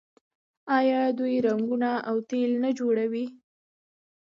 آیا دوی رنګونه او تیل نه جوړوي؟